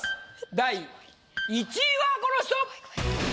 第１位はこの人！